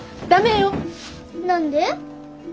何で？